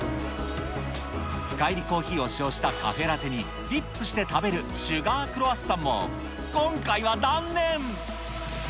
深いりコーヒーを使用したカフェラテにディップして食べるシュガークロワッサンも今回は断念。